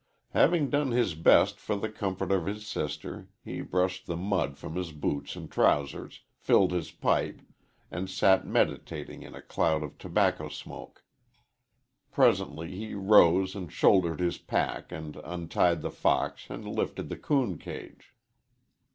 Having done his best for the comfort of his sister, he brushed the mud from his boots and trousers, filled his pipe, and sat meditating in a cloud of tobacco smoke. Presently he rose and shouldered his pack and untied the fox and lifted the coon cage.